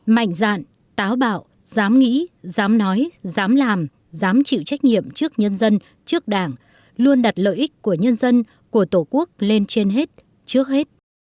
mạnh dạn táo bạo dám nghĩ dám nói dám làm dám chịu trách nhiệm trước nhân dân trước đảng luôn đặt lợi ích của nhân dân của tổ quốc lên trên hết trước hết